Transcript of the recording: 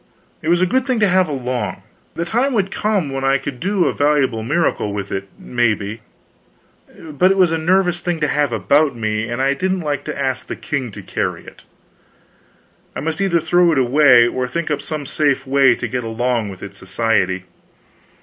It was a good thing to have along; the time would come when I could do a valuable miracle with it, maybe, but it was a nervous thing to have about me, and I didn't like to ask the king to carry it. Yet I must either throw it away or think up some safe way to get along with its society.